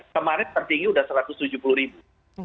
kemarin tertinggi sudah satu ratus tujuh puluh ribu